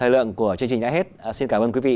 thời lượng của chương trình đã hết xin cảm ơn quý vị